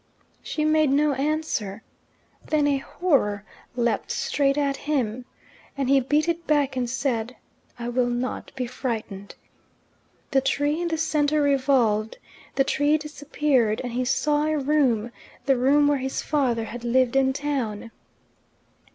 She made no answer. Then a horror leapt straight at him, and he beat it back and said, "I will not be frightened." The tree in the centre revolved, the tree disappeared, and he saw a room the room where his father had lived in town.